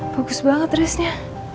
bagus banget resnya